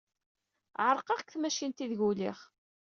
Ɛerqeɣ deg tmacint aydeg ulyeɣ.